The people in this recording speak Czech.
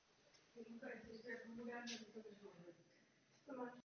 Poté začali vybírat místo stavby.